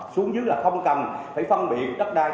xuống dưới là không cần phải phân biệt đất đai